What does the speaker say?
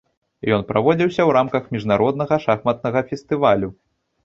Ён праводзіўся ў рамках міжнароднага шахматнага фестывалю.